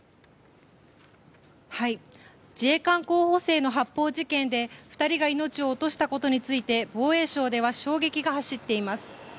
自衛官候補生の発砲事件で２人が命を落としたことについて防衛省では衝撃が走っています。